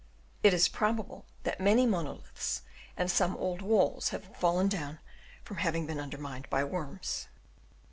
It is probable that many monoliths and some old walls have fallen down from having been undermined by worms.